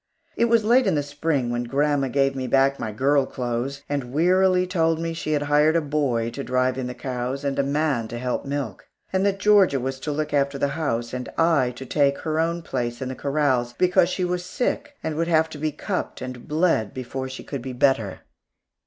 It was late in the Spring when grandma gave back my "girl clothes" and wearily told me she had hired a boy to drive in the cows, and a man to help to milk; and that Georgia was to look after the house, and I to take her own place in the corrals, because she was sick and would have to be cupped and bled before she could be better.